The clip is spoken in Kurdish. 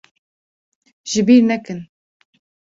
Ji bîr nekin.